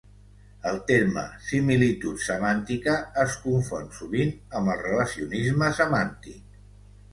El terme similitud semàntica es confon sovint amb el relacionisme semàntic.